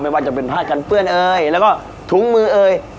ไม่ว่าจะเป็นผ้ากันเปื้อนเอ่ยแล้วก็ถุงมือเอ่ย